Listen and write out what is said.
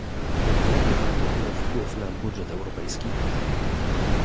Jakie mają one wpływ na budżet europejski?